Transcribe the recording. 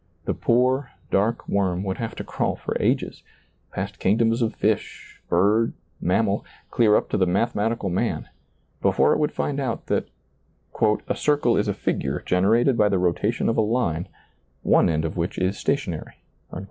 The poor, dark worm would have to crawl for ages, past king doms of fish, bird, mammal, clear up to the mathematical man, before it would find out that " a circle is a figure generated by the rotation of a line, one end of which is stationary."